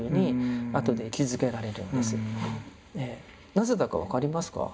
なぜだか分かりますか？